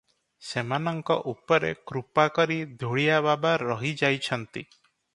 ସେମାନଙ୍କ ଉପରେ କୃପା କରି ଧୂଳିଆ ବାବା ରହି ଯାଇଛନ୍ତି ।